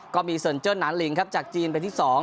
ก็มีเซินเจิ้นหนาลิงครับจากจีนเป็นที่๒